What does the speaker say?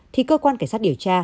thì cơ quan cảnh sát điều tra